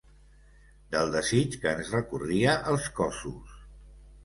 Del desig que ens recorria els cossos.